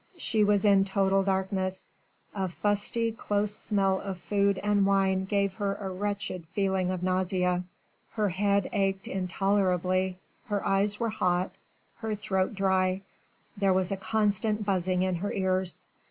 She was in total darkness. A fusty, close smell of food and wine gave her a wretched feeling of nausea her head ached intolerably, her eyes were hot, her throat dry: there was a constant buzzing in her ears.